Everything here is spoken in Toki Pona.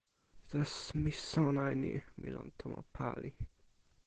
taso mi sona e ni: mi lon tomo pali.